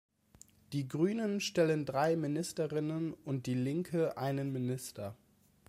Die Grünen stellen drei Ministerinnen und die Linke einen Minister.